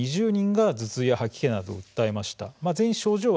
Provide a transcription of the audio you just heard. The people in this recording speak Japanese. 合わせて２０人が頭痛や吐き気などを訴えました。